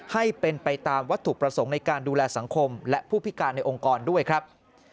ให้เป็นไปตามวัตถุประสงค์ในการดูแลสังคมและผู้พิการในองค์กรด้วยครับ